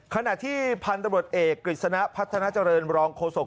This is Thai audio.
ขณะที่พันธุ์ตำรวจเอกกฤษณะพัฒนาเจริญรองโฆษก